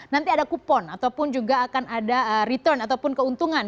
nanti ada kupon ataupun juga akan ada return ataupun keuntungan